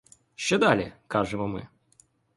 Що далі?— кажемо ми.